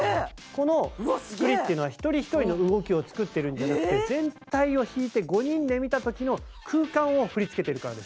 この振りっていうのは一人一人の動きを作ってるんじゃなくて全体を引いて５人で見た時の空間を振り付けてるからです。